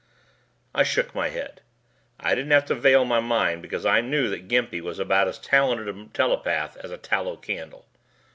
I shook my head. I didn't have to veil my mind because I knew that Gimpy was about as talented a telepath as a tallow candle.